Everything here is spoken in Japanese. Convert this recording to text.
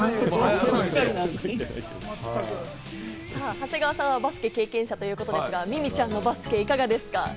長谷川さん、バスケ経験者ということですが、ミミちゃんのバスケいかがですか？